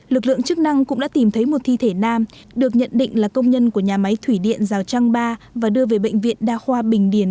lực lượng chức năng cũng đã tìm thấy một thi thể nam được nhận định là công nhân của nhà máy thủy điện rào trăng ba và đưa về bệnh viện đa khoa bình điền